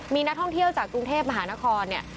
มีนักท่องเที่ยวจากกรุงเทพมหานครเนี่ย